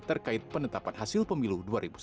terkait penetapan hasil pemilu dua ribu sembilan belas